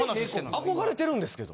憧れてるんですけど。